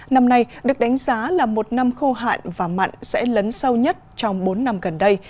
năm nay được đánh giá là một năm khô hạn và mặn sẽ lấn sâu nhất trong bốn năm gần đây